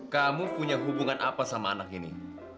kamu punya hubungan apa sama anak ini